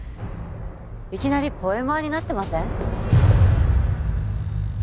いきなりポエマーになってません？